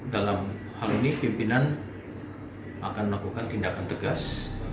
dalam hal ini pimpinan akan melakukan tindakan tegas